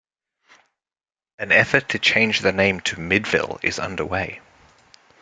An effort to change the name to MidVil is underway.